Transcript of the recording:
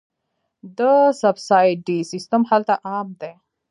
د سبسایډي سیستم هلته عام دی.